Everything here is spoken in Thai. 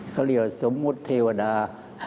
เขาเรียกว่าสมมุติเทวดา